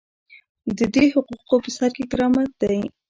د دې حقوقو په سر کې کرامت دی.